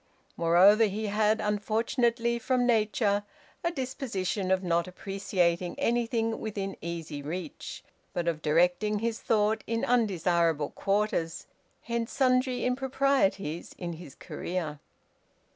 Moreover, he had unfortunately from nature a disposition of not appreciating anything within easy reach, but of directing his thought in undesirable quarters, hence sundry improprieties in his career.